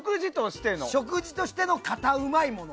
食事としてのカタうまいもの。